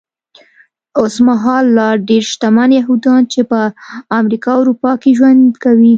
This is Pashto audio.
اوسمهال لا ډېر شتمن یهوديان چې په امریکا او اروپا کې ژوند کوي.